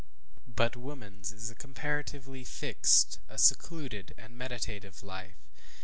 ŌĆØ But womanŌĆÖs is comparatively a fixed, a secluded, and meditative life.